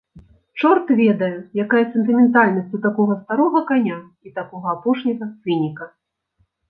Чорт ведае, якая сентыментальнасць у такога старога каня і такога апошняга цыніка!